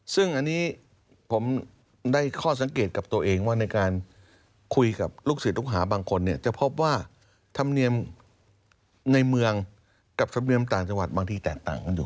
ซึ่งอันนี้ผมได้ข้อสังเกตกับตัวเองว่าในการคุยกับลูกศิษย์ลูกหาบางคนเนี่ยจะพบว่าธรรมเนียมในเมืองกับธรรมเนียมต่างจังหวัดบางทีแตกต่างกันอยู่